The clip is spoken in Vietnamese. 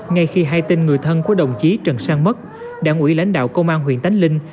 ngay khi hay tin người thân của đồng chí trần sang mất đảng ủy lãnh đạo công an huyện tánh linh